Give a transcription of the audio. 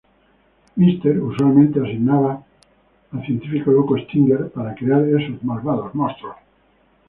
Mister, usualmente asignaba al científico loco Stinger para crear estos malvados monstruos.